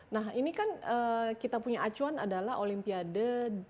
nah ini kan kita punya acuan adalah olimpiade dua ribu dua puluh